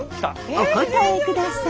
お答えください。